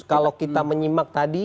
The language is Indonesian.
kalau kita menyimak tadi